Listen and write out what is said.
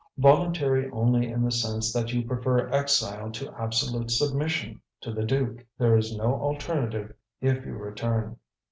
"Voluntary only in the sense that you prefer exile to absolute submission to the duke. There is no alternative, if you return."